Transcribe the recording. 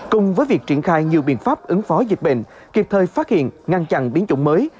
cùng với việc triển khai nhiều biện pháp ứng phó dịch bệnh kịp thời phát hiện ngăn chặn biến chủng mới